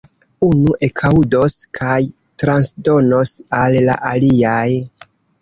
Unu ekaŭdos kaj transdonos al la aliaj.